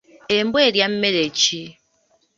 Embwa erya mmere ki?